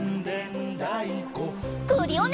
クリオネ！